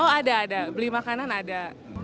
oh ada ada beli makanan ada